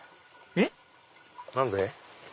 えっ？何で？